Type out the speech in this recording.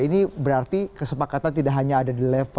ini berarti kesepakatan tidak hanya ada di level